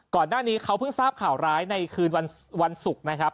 ก่อนหน้านี้เขาเพิ่งทราบข่าวร้ายในคืนวันศุกร์นะครับ